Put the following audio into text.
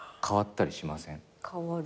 変わる。